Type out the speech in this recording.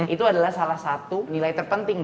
itu adalah salah satu nilai terpenting